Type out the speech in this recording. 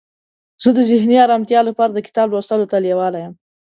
زه د ذهني آرامتیا لپاره د کتاب لوستلو ته لیواله یم.